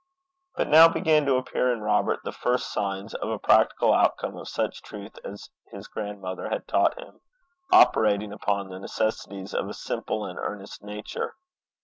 But now began to appear in Robert the first signs of a practical outcome of such truth as his grandmother had taught him, operating upon the necessities of a simple and earnest nature.